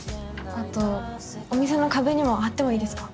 あとお店のかべにもはってもいいですか？